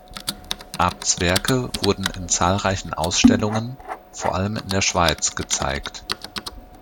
Abts Werke wurden in zahlreichen Ausstellungen, vor allem in der Schweiz, gezeigt.